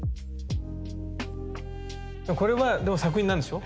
でもこれはでも作品なんでしょ？